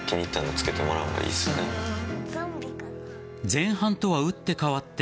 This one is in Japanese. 前半とは打って変わって